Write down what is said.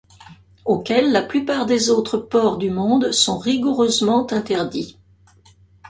auquel la plupart des autres ports du monde sont rigoureusement interdits.